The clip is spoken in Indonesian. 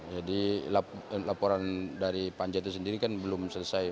jadi laporan dari panja itu sendiri kan belum selesai